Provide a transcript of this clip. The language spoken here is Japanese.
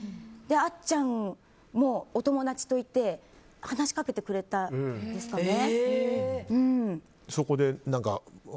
あっちゃんもお友達といて話しかけてくれたんですかね。